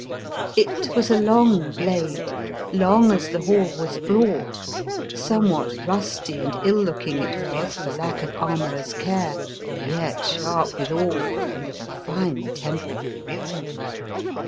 It was a long blade, long as the hall was broad, somewhat rusty and ill looking it was for lack of armourer's care, yet sharp withal and of a fine temper.